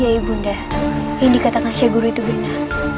ya ibunda ini katakan syeguru itu benar